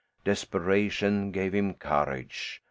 Desperation gave him courage.